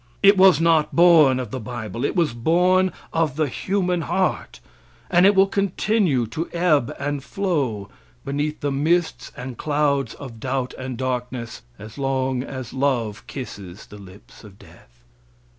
It was not born of the bible. It was born of the human heart, and it will continue to ebb and flow beneath the mists and clouds of doubt and darkness as long as love kisses the lips of death.